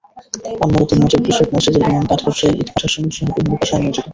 অন্যরা দিনমজুর, কৃষক, মসজিদের ইমাম, কাঠ ব্যবসায়ী, ইটভাটার শ্রমিকসহ বিভিন্ন পেশায় নিয়োজিত।